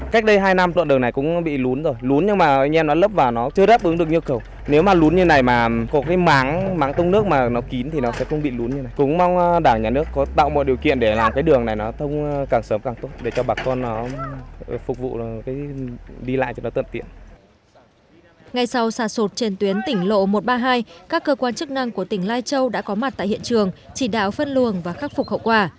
các cơ quan chức năng của tỉnh lai châu đã có mặt tại hiện trường chỉ đạo phân luồng và khắc phục khẩu quả